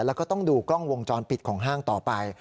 แล้วก็ต้องดูกล้องวงจรปิดของห้างต่อไป